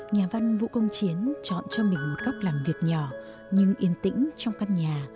nhà văn vũ công chiến chọn cho mình một góc làm việc nhỏ nhưng yên tĩnh trong căn nhà